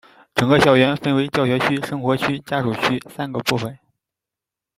整个校园分为教学区、生活区、家属区三个部分。